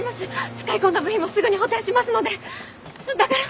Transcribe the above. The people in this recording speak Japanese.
使い込んだ部費もすぐに補填しますのでだから